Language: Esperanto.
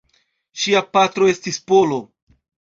Ŝia patro estis Polo.